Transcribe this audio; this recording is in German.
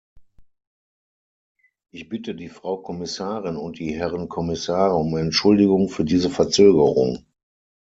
Ich bitte die Frau Kommissarin und die Herren Kommissare um Entschuldigung für diese Verzögerung.